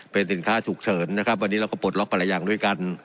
เป็นสินค้าฉุกเฉินนะครับวันนี้เราก็ปลดล็อกไปหลายอย่างด้วยกัน